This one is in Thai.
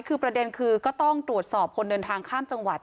คือประเด็นคือก็ต้องตรวจสอบคนเดินทางข้ามจังหวัด